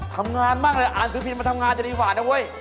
ทำงานมากเลยอ่านสือพิมพ์มาทำงานจะดีกว่านะเว้ย